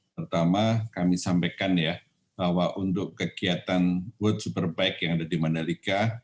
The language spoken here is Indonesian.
pertama kami sampaikan ya bahwa untuk kegiatan world superbike yang ada di mandalika